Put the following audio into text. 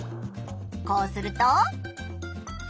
こうすると。